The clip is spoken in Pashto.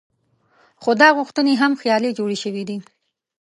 خو دا غوښتنې هم خیالي جوړې شوې دي.